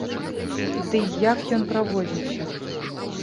Дый як ён праводзіўся?